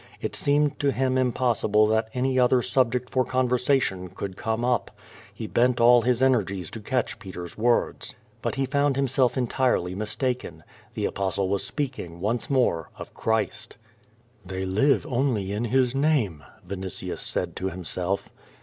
It seemed to him impossible that any other subject for conversation could come up. He bent all his energies to catch Peter's words. But he found himself entirely mistaken. The Apostle was speaking once more of Christ. "'i'liey live only in his name," Vinitius said to himself.